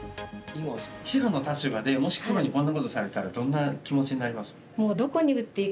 白の立場でもし黒にこんなことされたらどんな気持ちになります？